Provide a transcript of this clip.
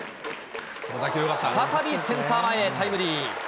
再びセンター前へタイムリー。